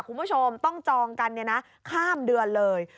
คุณผู้ชมต้องจองกันข้ามเดือนเลย